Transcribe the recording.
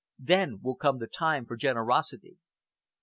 Then will come the time for generosity."